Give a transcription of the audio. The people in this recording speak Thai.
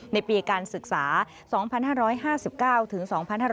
ในปีการศึกษา๒๕๕๙ถึง๒๕๕๙